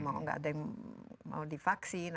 mau nggak ada yang mau divaksin